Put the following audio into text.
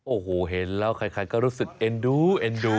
โอ้โหเห็นแล้วใครก็รู้สึกเอ็นดูเอ็นดู